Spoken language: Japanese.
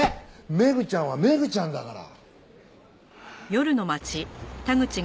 メグちゃんはメグちゃんだから。